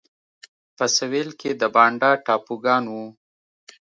په سوېل کې د بانډا ټاپوګان وو.